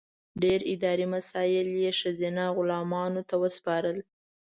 ډېر اداري مسایل یې ښځینه غلامانو ته وسپارل.